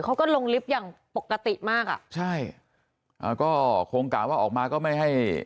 เขาก็ลงลิฟต์อย่างปกติมากอ่ะใช่อ่าก็คงกะว่าออกมาก็ไม่ให้